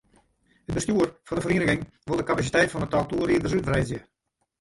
It bestjoer fan de feriening wol de kapasiteit fan it tal toerriders útwreidzje.